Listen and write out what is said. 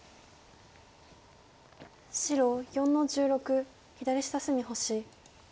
白４の十六左下隅星。